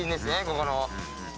ここの。